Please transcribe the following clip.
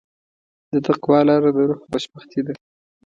د تقوی لاره د روح خوشبختي ده.